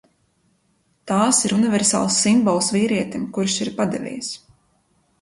Tās ir universāls simbols vīrietim, kurš ir padevies!